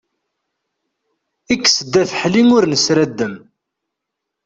Kkes-d afeḥli ur nesraddem.